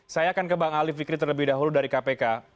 saya akan ke bang ali fikri terlebih dahulu dari kpk